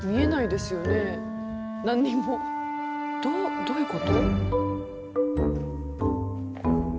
どどういうこと？